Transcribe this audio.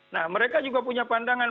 nah mereka juga punya pandangan